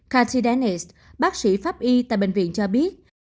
kathy dennis bác sĩ pháp y tại bệnh viện cho biết